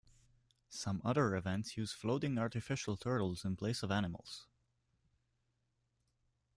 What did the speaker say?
Some other events use floating artificial turtles in place of animals.